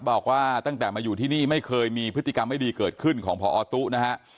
บอกว่าตั้งแต่มาอยู่ที่นี่ไม่เคยมีพฤติกรรมไม่ดีเกิดขึ้นของพอตู้นะฮะ